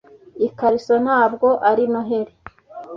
Ikariso ntabwo ari Noheri